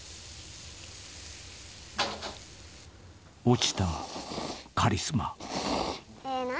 ［堕ちたカリスマ］